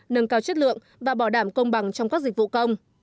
nâng cao chất lượng và bảo đảm công bằng trong các dịch vụ công